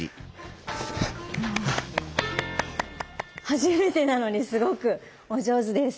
初めてなのにすごくお上手です。